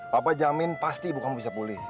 papa jamin pasti ibu kamu bisa pulih